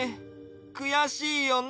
くやしいよね。